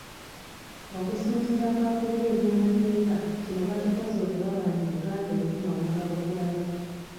Okusinziira ku akulira ebyamateeka kino bakikoze okulaba nti Buganda efuna omugabo gw'ayo.